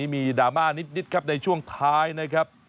ดราม่านิดครับในช่วงท้ายนะครับ